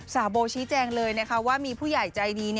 โบชี้แจงเลยนะคะว่ามีผู้ใหญ่ใจดี